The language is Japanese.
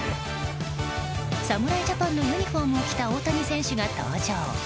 侍ジャパンのユニホームを着た大谷選手が登場。